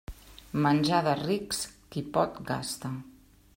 Menjar de rics; qui pot, gasta.